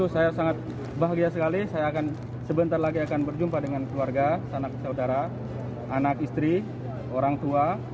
saya sangat bahagia sekali saya akan sebentar lagi akan berjumpa dengan keluarga sanak saudara anak istri orang tua